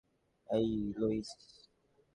এহ, লুইস?